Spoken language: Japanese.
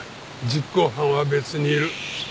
実行犯は別にいる。